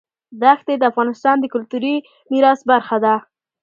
دښتې د افغانستان د کلتوري میراث برخه ده.